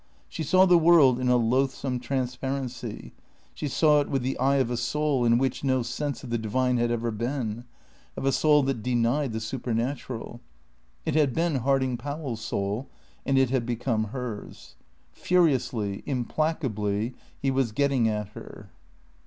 She saw the world in a loathsome transparency; she saw it with the eye of a soul in which no sense of the divine had ever been, of a soul that denied the supernatural. It had been Harding Powell's soul, and it had become hers. Furiously, implacably, he was getting at her.